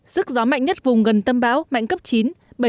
sức gió mạnh nhất vùng gần tâm bão mạnh cấp chín giật cấp một mươi một